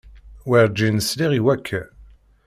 Werǧin sliɣ i wakka.